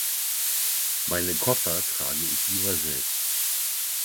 Meine Koffer trage ich lieber selbst.